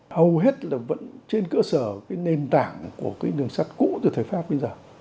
hầu hết là vẫn trên cơ sở cái nền tảng của cái đường sắt cũ từ thời pháp bây giờ